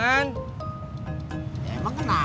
emang kenapa kalo gua cerita cerita yang lain